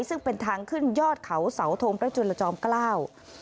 ซึ่งเป็นทางขึ้นยอดเขาเสาทงพระจุลจอมเกล้า